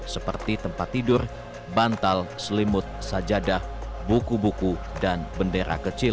seperti tempat tidur bantal selimut sajadah buku buku dan bendera kecil